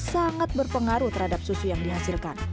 sangat berpengaruh terhadap susu yang dihasilkan